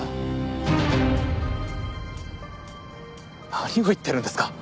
何を言ってるんですか。